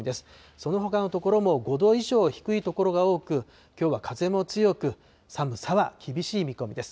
そのほかの所も５度以上低い所が多く、きょうは風も強く、寒さは厳しい見込みです。